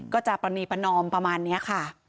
ปรณีประนอมประมาณนี้ค่ะ